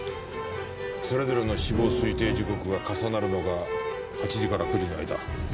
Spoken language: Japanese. それぞれの死亡推定時刻が重なるのが８時から９時の間。